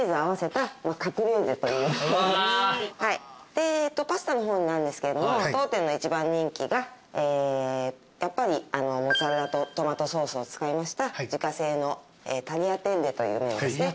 でパスタの方なんですけれども当店の一番人気がやっぱりモッツァレラとトマトソースを使いました自家製のタリアテッレという麺ですね。